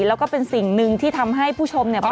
แล้วก็เป็นสิ่งหนึ่งที่ทำให้ผู้ชมเนี่ย